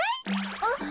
あっ！